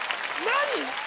何？